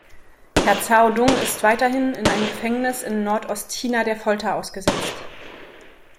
Herr Cao Dong ist weiterhin in einem Gefängnis in Nordostchina der Folter ausgesetzt.